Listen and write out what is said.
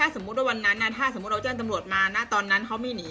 สมมุติว่าวันนั้นถ้าสมมุติเราแจ้งตำรวจมาณตอนนั้นเขาไม่หนี